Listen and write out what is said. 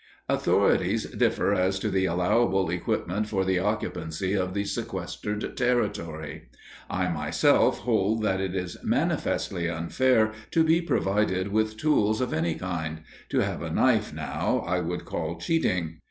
Authorities differ as to the allowable equipment for the occupancy of the sequestered territory. I myself hold that it is manifestly unfair to be provided with tools of any kind; to have a knife, now, I would call cheating.